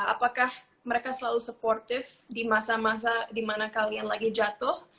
apakah mereka selalu supportive di masa masa di mana kalian lagi jatuh